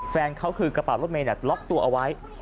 แฟนเขาคือกระเป๋ารถเมย์ล็อกตัวเอาไว้